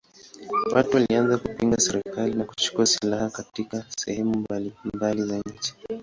Watu walianza kupinga serikali na kuchukua silaha katika sehemu mbalimbali za nchi.